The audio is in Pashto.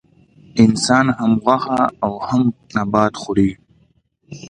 انسان هم غوښه او هم نباتات خوري